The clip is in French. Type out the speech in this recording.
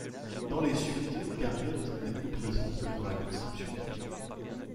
Dans les suites, Garriott n’est plus présent que dans la conception.